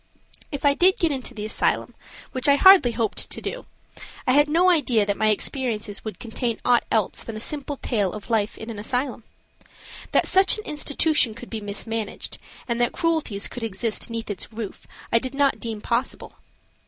If I did get into the asylum, which I hardly hoped to do, I had no idea that my experiences would contain aught else than a simple tale of life in an asylum. That such an institution could be mismanaged, and that cruelties could exist 'neath its roof, I did not deem possible.